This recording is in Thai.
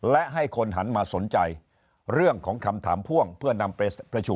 และให้คนหันมาสนใจเรื่องของคำถามพ่วงเพื่อนำไปประชุม